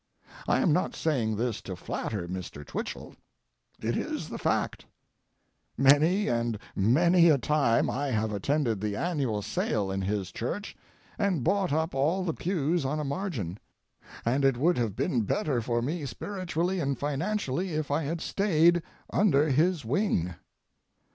I am not saying this to flatter Mr. Twichell; it is the fact. Many and many a time I have attended the annual sale in his church, and bought up all the pews on a margin—and it would have been better for me spiritually and financially if I had stayed under his wing.